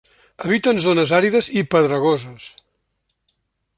Habita en zones àrides i pedregoses.